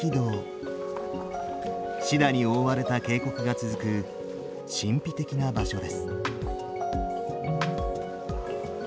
シダに覆われた渓谷が続く神秘的な場所です。